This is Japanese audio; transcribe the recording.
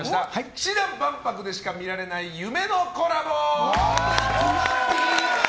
氣志團万博でしか見られない夢のコラボ！